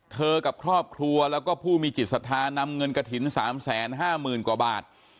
เธอกับครอบครัวแล้วก็ผู้มีจิตสาธารณ์นำเงินกะถิน๓๕๐๐๐๐กว่าบาท